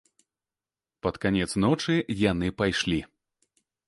Пад канец ночы яны пайшлі.